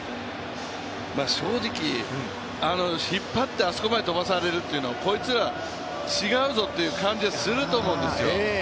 正直、引っ張ってあそこまで飛ばされるというのは、こいつら、違うぞという感じがすると思うんですよ。